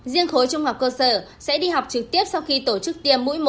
riêng khối trung học cơ sở sẽ đi học trực tiếp sau khi tổ chức tiêm mũi một